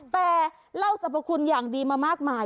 แต่เล่าสรรพคุณอย่างดีมามากมาย